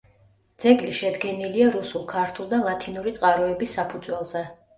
ძეგლი შედგენილია რუსულ, ქართულ და ლათინური წყაროების საფუძველზე.